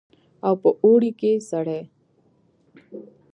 او په اوړي کښې سړې.